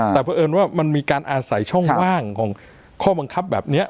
แต่เพราะเอิญว่ามันมีการอาศัยช่องว่างของข้อบังคับแบบนี้